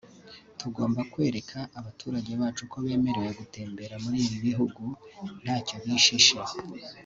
Tugomba kwereka abaturage bacu ko bemerewe gutembera muri ibi bihugu ntacyo bishisha